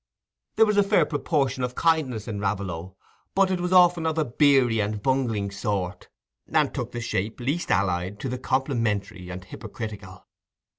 There was a fair proportion of kindness in Raveloe; but it was often of a beery and bungling sort, and took the shape least allied to the complimentary and hypocritical.